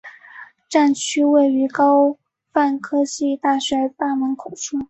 站区位于高苑科技大学大门口处。